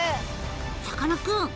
さかなクン！